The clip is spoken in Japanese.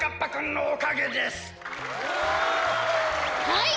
はい！